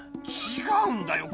違うんだよ。